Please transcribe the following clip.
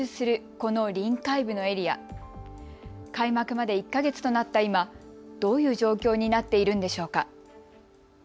この臨海部のエリア、開幕まで１か月となった今、どういう状況になっているんでしょうか。